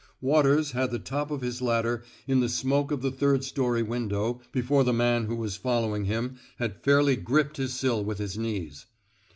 Waters had the top of his ladder in the smoke of the third story window before the man who was following him had fairly gripped his sill with his knees.